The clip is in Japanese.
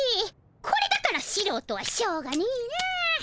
これだからしろうとはしょうがねえなあ。